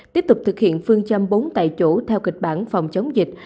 tiếp tục thực hiện phương châm bốn tại chỗ theo kịch bản phòng chống dịch